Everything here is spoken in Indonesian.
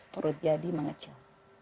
perut jadi mengecil